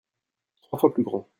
trois fois plus grand.